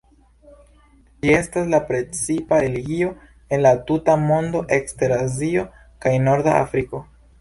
Ĝi estas la precipa religio en la tuta mondo ekster Azio kaj norda Afriko.